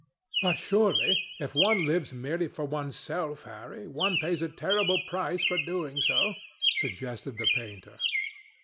"But, surely, if one lives merely for one's self, Harry, one pays a terrible price for doing so?" suggested the painter.